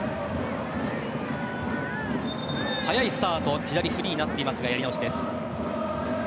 早いスタート左がフリーになっていますがやり直しです。